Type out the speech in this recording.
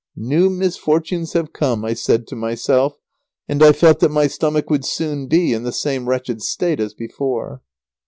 "New misfortunes have come," I said to myself, and I felt that my stomach would soon be in the same wretched state as before.